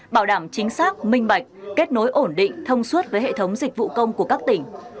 bảo đảm chính xác minh bạch kết nối ổn định thông suốt với hệ thống dịch vụ công của các tỉnh